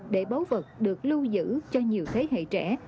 để báu vật được lưu giữ cho nhiều thế hệ trẻ